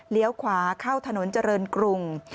ขวาเข้าถนนเจริญกรุง